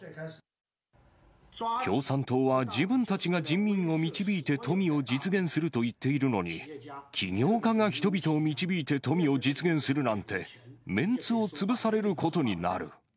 共産党は自分たちが人民を導いて富を実現すると言っているのに、企業家が人々を導いて富を実現するなんて、メンツを潰されることになる。